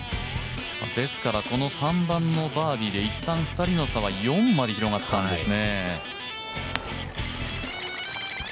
ですから３番のバーディーでいったん２人の差は４まで広がったんですね。